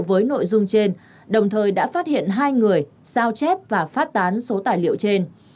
với nội dung trên đồng thời đã phát hiện hai người sao chép và phát tán số tài liệu trên